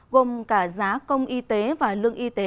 gồm cả giá công y tế và lương y tế